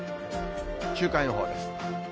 週間予報です。